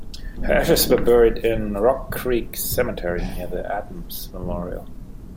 Her ashes were buried in Rock Creek Cemetery near the Adams Memorial.